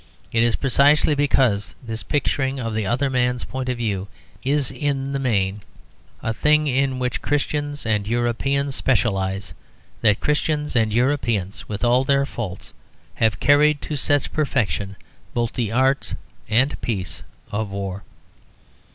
It is precisely because this picturing of the other man's point of view is in the main a thing in which Christians and Europeans specialise that Christians and Europeans, with all their faults, have carried to such perfection both the arts of peace and war.